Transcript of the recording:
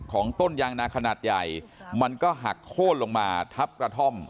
ต้นยางนาขนาดใหญ่มันก็หักโค้นลงมาทับกระท่อม